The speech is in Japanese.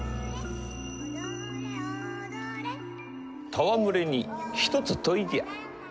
戯れに一つ問いじゃ。